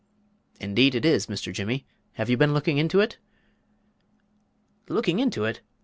"Indeed it is, Mr. Jimmy have you been looking into it?" "Looking into it!